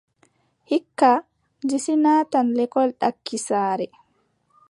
Hikka, Disi naatan lekkol ɗaki saare.